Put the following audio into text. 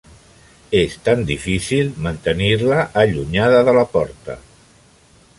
És tan difícil mantenir-la allunyada de la porta.